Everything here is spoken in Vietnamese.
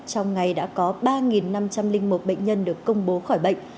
trong ngày đã có ba năm trăm linh một bệnh nhân được công bố khỏi bệnh